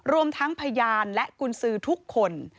รวมทั้งพยานและกุญสือทุกคน